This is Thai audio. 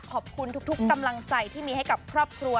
ขอบคุณทุกกำลังใจที่มีให้กับครอบครัว